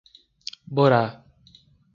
Borá